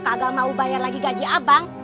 kagak mau bayar lagi gaji abang